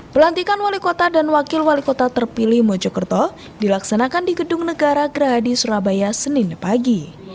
pelantikan wali kota dan wakil wali kota terpilih mojokerto dilaksanakan di gedung negara gerahadi surabaya senin pagi